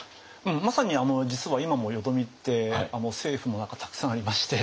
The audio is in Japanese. まさに実は今も淀みって政府の中たくさんありまして。